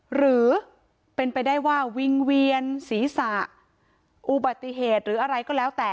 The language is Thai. หรือเป็นไปได้ว่าวิ่งเวียนศีรษะอุบัติเหตุหรืออะไรก็แล้วแต่